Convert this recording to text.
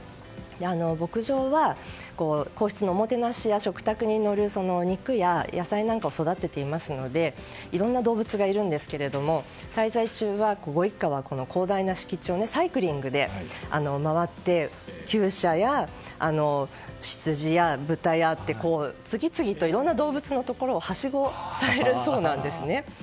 牧場は皇室のおもてなしや食卓にのる肉や野菜なんかを育てていますのでいろんな動物がいるんですけども滞在中、ご一家はこの広大な敷地をサイクリングで回って厩舎やヒツジや豚やって、次々といろんな動物のところをはしごされるそうなんですね。